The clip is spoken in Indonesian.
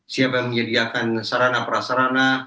siapa yang menyediakan sarana prasarana